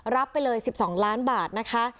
รับไปเลย๑๒ล้านบาทนะคะ